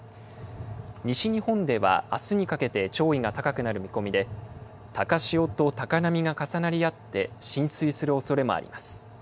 西日本ではあすにかけて潮位が高くなる見込みで、高潮と高波が重なり合って浸水するおそれもあります。